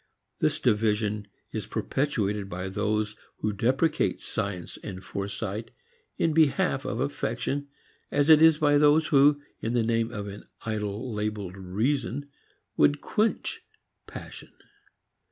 This division is perpetuated by those who deprecate science and foresight in behalf of affection as it is by those who in the name of an idol labeled reason would quench passion.